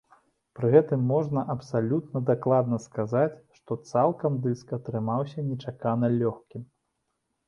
Пры гэтым можна абсалютна дакладна сказаць, што цалкам дыск атрымаўся нечакана лёгкім.